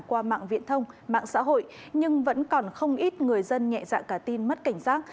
qua mạng viễn thông mạng xã hội nhưng vẫn còn không ít người dân nhẹ dạ cả tin mất cảnh giác